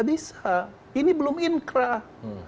ini belum inkrah